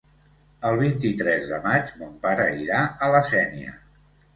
El vint-i-tres de maig mon pare irà a la Sénia.